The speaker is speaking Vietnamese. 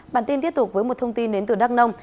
bản tin tiếp tục với một thông tin đến từ đắk nông